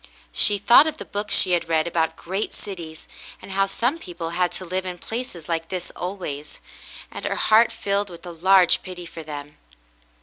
She thought of the books she had read about great cities, and how some people had to live in places like this always ; and her heart filled with a large pity for them.